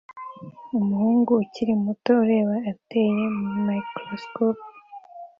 Umuhungu ukiri muto ureba atera microscope